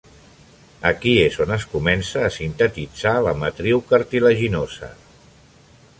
Aquí és on es comença a sintetitzar la matriu cartilaginosa.